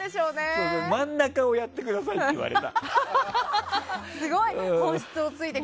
真ん中をやってくださいって言われた。